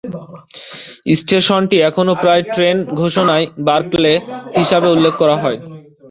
স্টেশনটি এখনও প্রায়ই ট্রেন ঘোষণায় বার্কলে হিসাবে উল্লেখ করা হয়।